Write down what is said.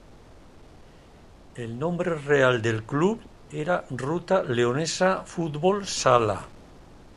El nombre real del club era Ruta Leonesa Fútbol Sala.